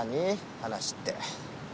話って。